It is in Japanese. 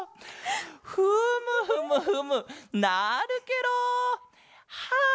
フムフムフムなるケロ！はあ